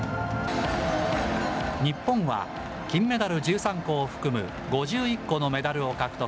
日本は金メダル１３個を含む５１個のメダルを獲得。